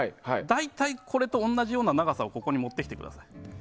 大体、これと同じような長さをここに持ってきてください。